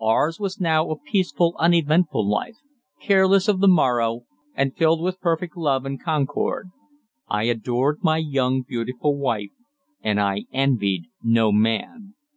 Ours was now a peaceful, uneventful life, careless of the morrow, and filled with perfect love and concord. I adored my young beautiful wife, and I envied no man.